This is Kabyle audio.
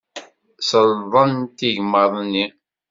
Selḍent igmaḍ-nni.